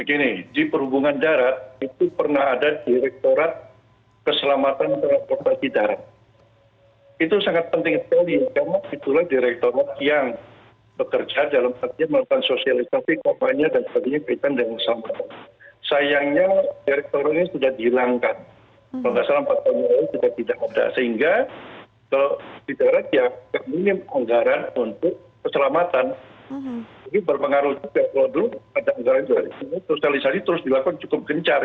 ini berpengaruh juga kalau dulu ada anggaran dari sosialisasi terus dilakukan cukup gencar